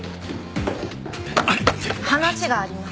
話があります。